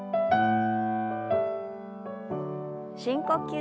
深呼吸。